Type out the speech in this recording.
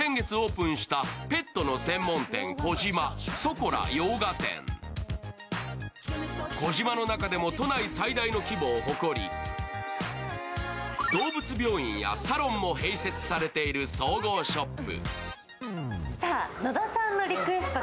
コジマの中でも都内最大の規模を誇り動物病院やサロンも併設されている総合ショップ。